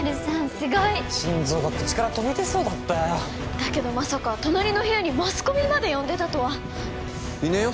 すごい心臓が口から飛び出そうだったよだけどまさか隣の部屋にマスコミまで呼んでたとはいねえよ